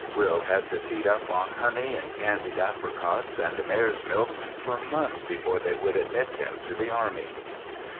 Will had to feed up on honey and candied apricocks and mares' milk for months before they would admit him to the army.